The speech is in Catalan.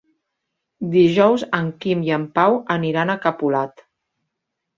Dijous en Quim i en Pau aniran a Capolat.